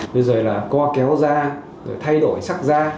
bây giờ là co kéo da thay đổi sắc da